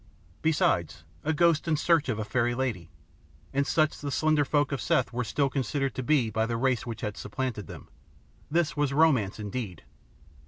Besides, a ghost in search of a fairy lady and such the slender folk of Seth were still considered to be by the race which had supplanted them this was romance indeed.